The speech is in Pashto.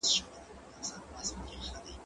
که وخت وي، پاکوالی کوم!